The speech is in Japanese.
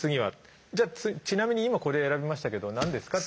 「じゃあちなみに今これ選びましたけど何でですか？」